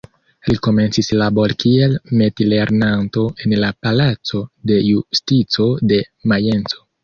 Li komencis labori kiel metilernanto en la palaco de Justico de Majenco.